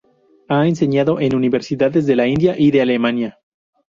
Ha enseñado en universidades de la India y de Alemania.